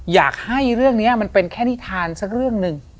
อยากให้เรื่องนี้มันเป็นแค่นิทานสักเรื่องหนึ่ง